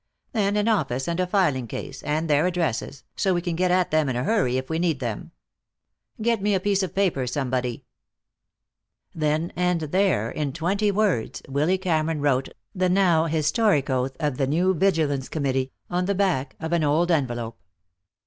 Then an office and a filing case, and their addresses, so we can get at them in a hurry if we need them. Get me a piece of paper, somebody." Then and there, in twenty words, Willy Cameron wrote the now historic oath of the new Vigilance Committee, on the back of an old envelope.